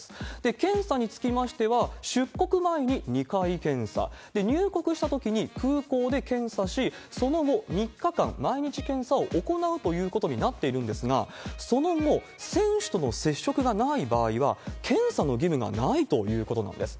検査につきましては、出国前に２回検査、入国したときに空港で検査し、その後３日間、毎日検査を行うということになっているんですが、その後、選手との接触がない場合は、検査の義務がないということなんです。